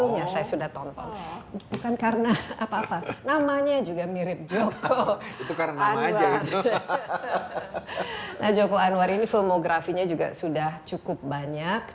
nah joko anwar ini fotografinya juga sudah cukup banyak